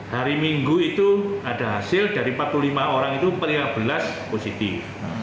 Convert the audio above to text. hari minggu itu ada hasil dari empat puluh lima orang itu per lima belas positif